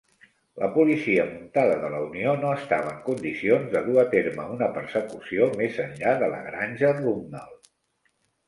La policia muntada de la Unió no estava en condicions de dur a terme una persecució més enllà de la granja Rummel.